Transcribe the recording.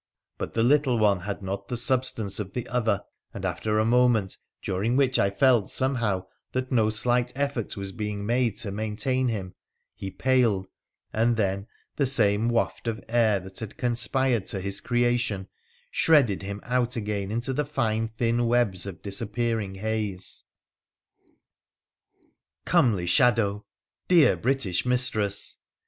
' But the little one had not the substance of PHRA THE PHCENICIAN 93 the other, and after a moment, during which I felt somehow that no slight effort was being made to maintain him, he paled, and then the same waft of air that had conspired to his creation shredded him out again into the fine thin webs of disappearing haze. Comely shadow ! Dear British mistress